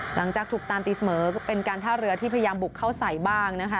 หลังจากถูกตามตีเสมอก็เป็นการท่าเรือที่พยายามบุกเข้าใส่บ้างนะคะ